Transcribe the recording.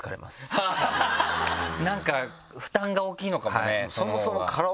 なんか負担が大きいのかもね。